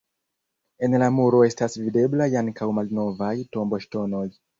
En la muro estas videblaj ankaŭ malnovaj tomboŝtonoj.